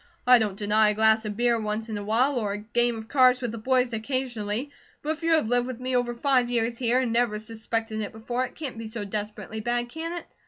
I don't deny a glass of beer once in awhile, or a game of cards with the boys occasionally; but if you have lived with me over five years here, and never suspected it before, it can't be so desperately bad, can it?